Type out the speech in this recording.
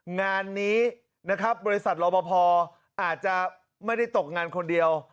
งานนี้นะครับบริษัทรอบพออาจจะไม่ได้ตกงานคนเดียว